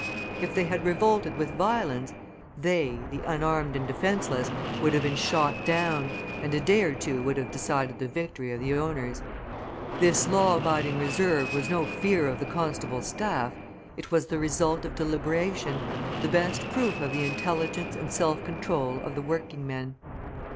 If they had revolted with violence, they, the unarmed and defenceless, would have been shot down, and a day or two would have decided the victory of the owners. This law abiding reserve was no fear of the constable's staff, it was the result of deliberation, the best proof of the intelligence and self control of the working men.